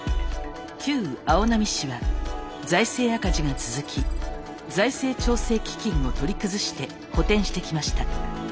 旧青波市は財政赤字が続き財政調整基金を取り崩して補填してきました。